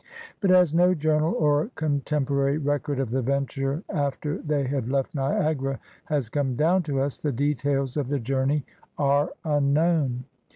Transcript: But, as no journal or contempor ary record of the venture after they had left Niagara has come down to us, the details of the journey are unknown.